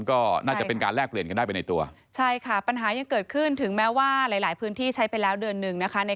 ก็น่าจะเป็นการแลกเปลี่ยนกันได้ไปในตัวใช่ค่ะปัญหายังเกิดขึ้นถึงแม้ว่าหลายหลายพื้นที่ใช้ไปแล้วเดือนหนึ่งนะคะ